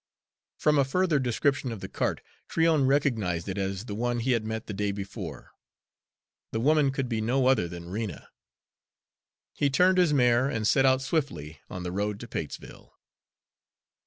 From a further description of the cart Tryon recognized it as the one he had met the day before. The woman could be no other than Rena. He turned his mare and set out swiftly on the road to Patesville.